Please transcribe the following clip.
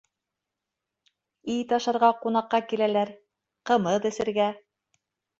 — Ит ашарға ҡунаҡҡа киләләр, ҡымыҙ эсергә.